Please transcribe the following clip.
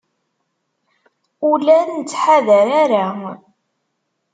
Ur la nettḥadar ara.